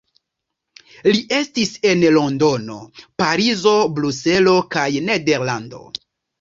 Li estis en Londono, Parizo, Bruselo kaj Nederlando.